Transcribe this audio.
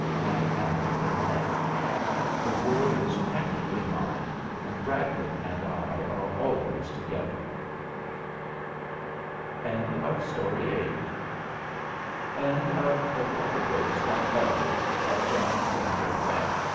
I am content. The world is practically mine, and Bragdon and I are always together. THE END End of Project Gutenberg's The Water Ghost and Others, by John Kendr